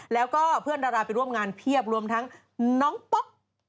แล้วก็เพื่อนดาราไปร่วมงานเพียบรวมทั้งน้องป๊อก